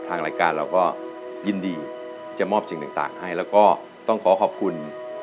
ทางรายการเราก็ยินดีจะมอบสิ่งต่างให้แล้วก็ต้องขอขอบคุณ